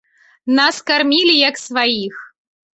Нас кармілі, як сваіх.